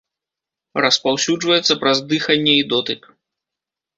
Распаўсюджваецца праз дыханне і дотык.